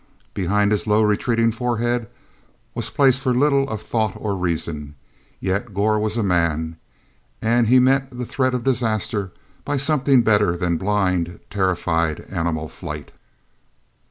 Behind his low, retreating forehead was place for little of thought or reason. Yet Gor was a man, and he met the threat of disaster by something better than blind, terrified, animal flight.